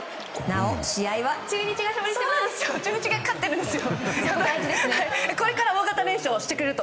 なお試合は中日が勝利しました！